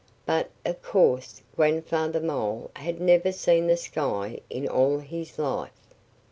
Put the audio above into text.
But of course Grandfather Mole had never seen the sky in all his life.